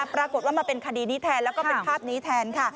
ปรากฏว่ามาเป็นคดีนี้แทนและภาพนี้แทน